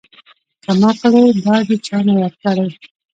کمقلې دادې چانه ياد کړي.